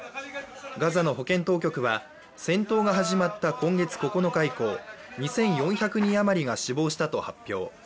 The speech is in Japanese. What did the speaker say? ガザの保健当局は戦闘が始まった今月９日以降２４００人余りが死亡したと発表。